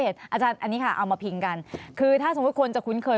เอามาพิงกันคือถ้าสมมุติคนจะคุ้นเคย